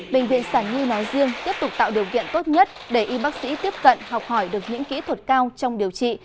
bệnh viện sản nhi nói riêng tiếp tục tạo điều kiện tốt nhất để y bác sĩ tiếp cận học hỏi được những kỹ thuật cao trong điều trị